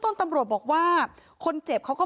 ต้องรอผลพิสูจน์จากแพทย์ก่อนนะคะ